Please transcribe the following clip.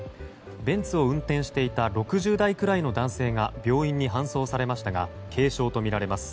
ベンツを運転していた６０代くらいの男性が病院に搬送されましたが軽傷とみられます。